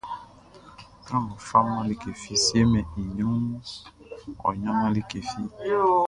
Sran ngʼɔ faman like fi siemɛn i ɲrunʼn, ɔ ɲanman like fi.